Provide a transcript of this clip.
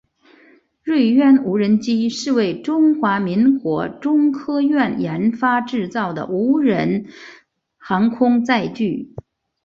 锐鸢无人机是为中华民国中科院研发制造的无人航空载具。